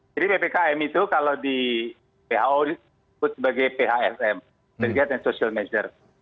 jadi ppkm itu kalau di who disebut sebagai phsm forget and social measure